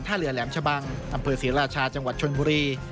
เรือแหลมชะบังอำเภอศรีราชาจังหวัดชนบุรี